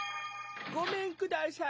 ごめんください。